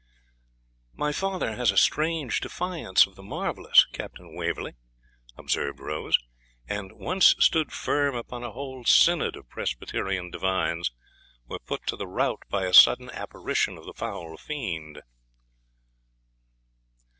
'My father has a strange defiance of the marvellous, Captain Waverley,' observed Rose, 'and once stood firm when a whole synod of Presbyterian divines were put to the rout by a sudden apparition of the foul fiend.'